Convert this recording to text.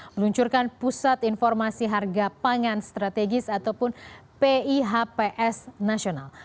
meluncurkan pusat informasi harga pangan strategis ataupun pihps nasional